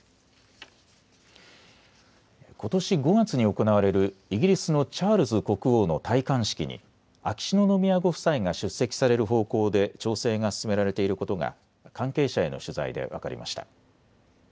ことし５月に行われるイギリスのチャールズ国王の戴冠式に秋篠宮ご夫妻が出席される方向で調整が進められていることが関係者への取材で分かりました。